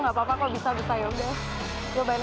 nggak apa apa kalau bisa bisa yaudah